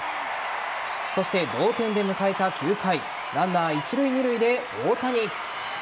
そして同点で迎えた９回ランナー一塁・二塁で大谷。